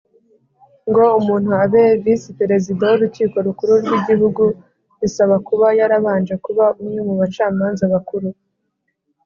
ngo umuntu abe Visi Perezida w Urukiko rukuru ry ‘igihugu bisaba kuba yarabanje kuba umwe mubacamanza bakuru